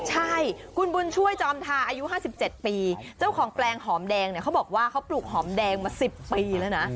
ใช่คุณบุญช่วยจอมทาอายุ๕๗ปีเจ้าของแปลงหอมแดงเนี่ยเขาบอกว่าเขาปลูกหอมแดงมา๑๐ปีแล้วนะ